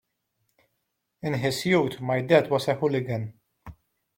In his youth my dad was a hooligan.